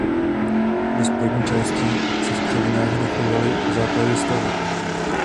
Ve spodní části se v křovinách dochovaly základy staveb.